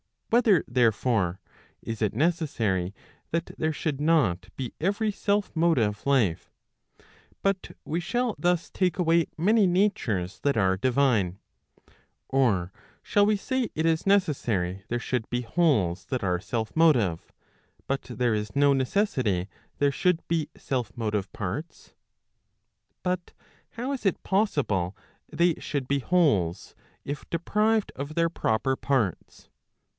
Whether therefore, is it necessary that there should not be every self motive life P But we shall thus take away many natures that are divine. Or shall we say it is necessary there should be wholes that are self motive, but there is no necessity there should be self motive parts P * i* omitted in the original. Digitized by t^OOQLe OF EVIL. 515 But how is it possible they should be wholes, if deprived of their proper parts